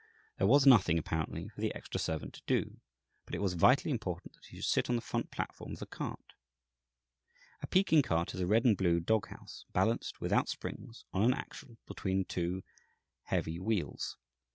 There was nothing, apparently, for the extra servant to do; but it was vitally important that he should sit on the front platform of the cart. A Peking cart is a red and blue dog house, balanced, without springs, on an axle between two heavy wheels.